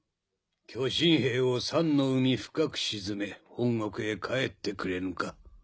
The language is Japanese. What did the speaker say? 巨神兵を酸の湖深く沈め本国へ帰ってくれぬか？